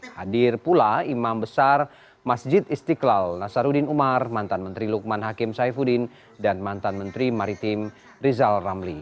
hadir pula imam besar masjid istiqlal nasaruddin umar mantan menteri lukman hakim saifuddin dan mantan menteri maritim rizal ramli